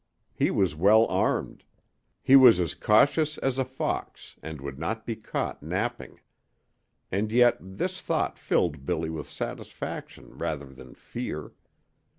He was well armed. He was as cautions as a fox, and would not be caught napping. And yet this thought filled Billy with satisfaction rather than fear.